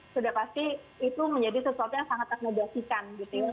sudah pasti itu menjadi sesuatu yang sangat ternegasikan